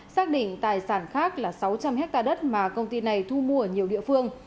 xác định tài sản khác là sáu trăm linh hectare đất mà công ty này thu mua ở nhiều địa phương